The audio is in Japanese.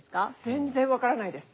全然分からないです。